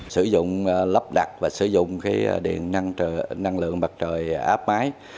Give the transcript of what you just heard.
sử dụng lắp đặt và sử dụng điện năng lượng mặt trời áp mái